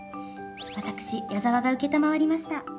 私矢澤が承りました。